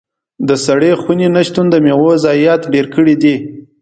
د سړې خونې نه شتون د میوو ضايعات ډېر کړي دي.